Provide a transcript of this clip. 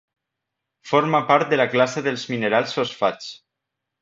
Forma part de la classe dels minerals fosfats.